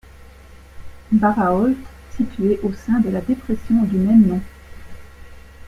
Baraolt situé au sein de la dépression du même nom.